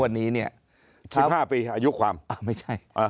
วันนี้เนี่ย๑๕ปีอายุความไม่ใช่